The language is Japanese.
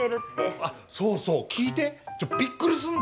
あっ、そうそう、聞いて、ちょっとびっくりすんで。